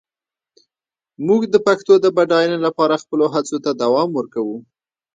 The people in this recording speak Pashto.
موږ د پښتو د بډاینې لپاره خپلو هڅو ته دوام ورکوو.